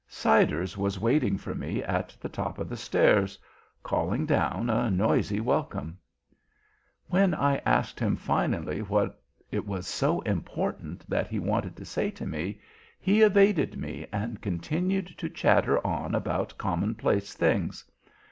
Siders was waiting for me at the top of the stairs, calling down a noisy welcome. "When I asked him finally what it was so important that he wanted to say to me, he evaded me and continued to chatter on about commonplace things.